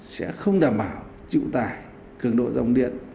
sẽ không đảm bảo chịu tải cường độ dòng điện